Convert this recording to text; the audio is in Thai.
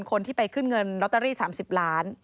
คนที่ไปขึ้นเงินลอตเตอรี่๓๐ล้าน